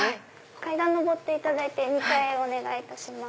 階段上っていただいて２階へお願いいたします。